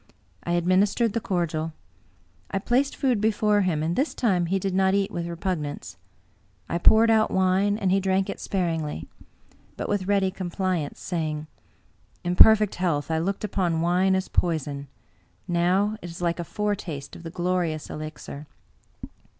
I administered the cordial. I placed food before him, and this time he did not eat with repugnance. I poured out wine, and he drank it sparingly, but with ready compliance, saying, " In perfect health, I looked upon wine as poison ; now it is like a foretaste of the glorious elixir."